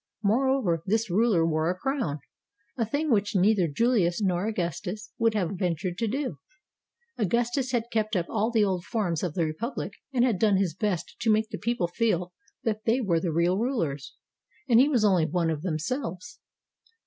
Moreover, this ruler wore a crown, a thing which neither Julius nor Augustus would have ventured to do. Augustus had kept up all the old forms of the Republic and had done his best to make the people feel that they were the real rulers, and he was only one of themselves.